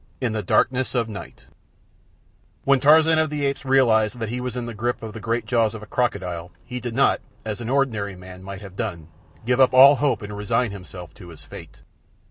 In the Darkness of the Night When Tarzan of the Apes realized that he was in the grip of the great jaws of a crocodile he did not, as an ordinary man might have done, give up all hope and resign himself to his fate.